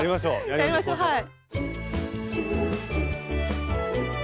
やりましょうはい。